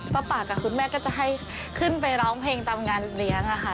ป้าปากกับคุณแม่ก็จะให้ขึ้นไปร้องเพลงตามงานเลี้ยงค่ะ